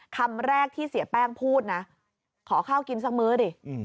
คำแรกที่เสียแป้งพูดนะขอข้าวกินสักมื้อดิ